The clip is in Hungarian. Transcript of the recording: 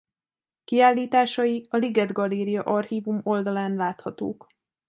Kiállításai a Liget Galéria archívum oldalán láthatók.